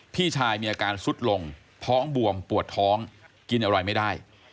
พี่ชายมีอาการสุดลงท้องบวมปวดท้องกินอะไรไม่ได้